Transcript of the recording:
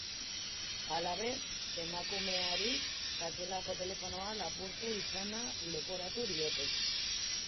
Halaber, emakumeari sakelako telefonoa lapurtu izana leporatu diote.